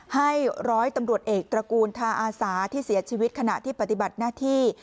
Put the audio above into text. ให้ร้อยตำรวจเอกตระกูลทาอาสาที่เสียชีวิตขณะที่ปฏิบัติหน้าที่